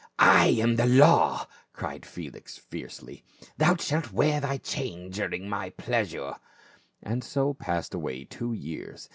" I am the law !" cried Felix fiercely ;" thou shalt wear thy chain during my pleasure." And so passed away two years.